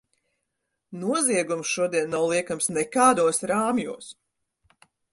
Noziegums šodien nav liekams nekādos rāmjos.